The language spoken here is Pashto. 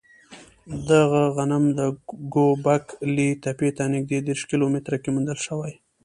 دغه غنم د ګوبک لي تپې ته نږدې دېرش کیلو متره کې موندل شوی.